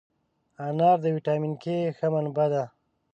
انار د ویټامین K ښه منبع ده.